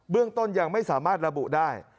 เรื่องต้นยังไม่สามารถระบุได้